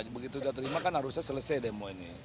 enggak begitu sudah diterima kan harusnya selesai demo ini